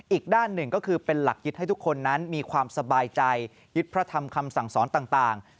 อีกด้านหนึ่งก็คือเป็นหลักยึดให้ทุกคนนั้นมีความสบายใจยึดพระธรรมคำสั่งสอนต่าง